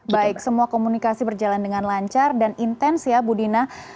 baik semua komunikasi berjalan dengan lancar dan intens ya bu dina